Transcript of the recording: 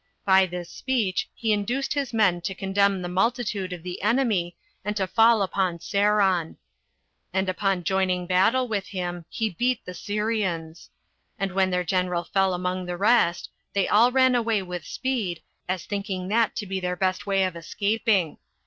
By this speech he induced his men to condemn the multitude of the enemy, and to fall upon Seron. And upon joining battle with him, he beat the Syrians; and when their general fell among the rest, they all ran away with speed, as thinking that to be their best way of escaping.